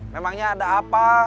memangnya ada apa